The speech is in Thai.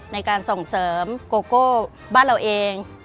ในการส่งเสริมโกโก้บ้านเราเอง